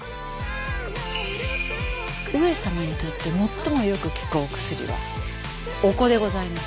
上様にとってもっともよく効くお薬はお子でございます。